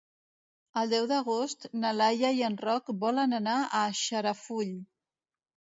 El deu d'agost na Laia i en Roc volen anar a Xarafull.